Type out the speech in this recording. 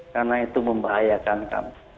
karena itu membahayakan kami